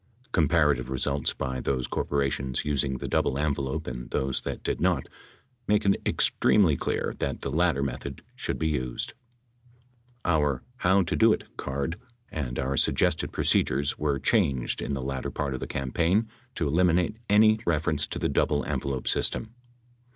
Comparative results by those corporations using the double envelope and those that did not make it ex tremely clear that the latter method should be used. Our "How To Do It" card and our suggested procedures were changed in the latter part of the campaign to eliminate any reference to the double envelope system.